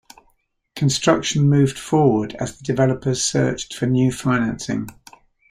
Construction moved forward as the developers searched for new financing.